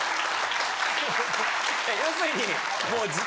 要するに。